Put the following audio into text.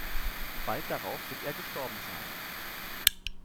Bald darauf wird er gestorben sein.